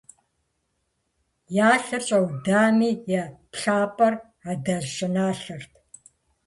Я лъэр щӏаудами, я плъапӏэр адэжь щӏыналъэрт.